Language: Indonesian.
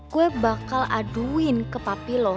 gua bakal aduin ke papi lo